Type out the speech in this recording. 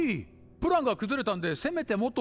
プランが崩れたんでせめてもと。